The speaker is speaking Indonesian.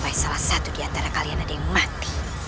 bertengkarlah kalian satu sama lain